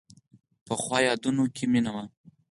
پخو یادونو کې مینه وي